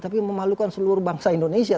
tapi memalukan seluruh bangsa indonesia